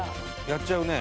やっちゃうね。